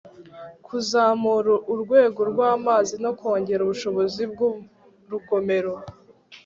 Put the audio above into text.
kuzamura urwego rw'amazi no kongera ubushobozi bw'urugomero